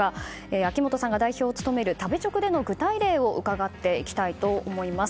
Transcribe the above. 秋元さんが代表を務める食べチョクでの具体例を伺っていきたいと思います。